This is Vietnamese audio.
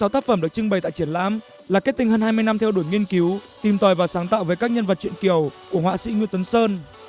sáu mươi tác phẩm được trưng bày tại triển lãm là kết tinh hơn hai mươi năm theo đuổi nghiên cứu tìm tòi và sáng tạo với các nhân vật chuyện kiều của họa sĩ nguyễn tuấn sơn